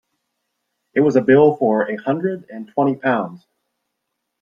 It was a bill for a hundred and twenty pounds.